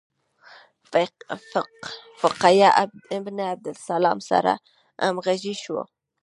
فقیه ابن عبدالسلام سره همغږي شو.